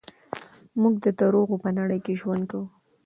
موږ د دروغو په نړۍ کې ژوند کوو.